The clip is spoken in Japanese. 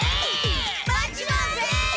待ちません。